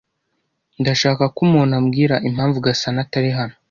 Ndashaka ko umuntu ambwira impamvu Gasana atari hano